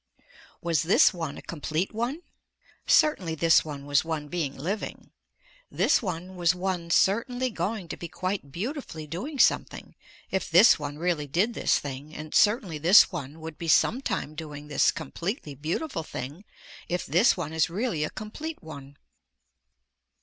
Was this one a complete one? Certainly this one was one being living. This one was one certainly going to be quite beautifully doing something if this one really did this thing and certainly this one would be sometime doing this completely beautiful thing if this one is really a complete one.